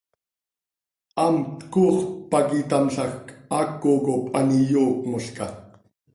Hamt cooxp pac itámlajc, haaco cop an iyoocmolca.